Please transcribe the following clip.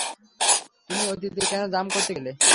তুমি অতীতে কেন জাম্প করতে গেলে?